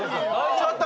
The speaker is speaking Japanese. ちょっと。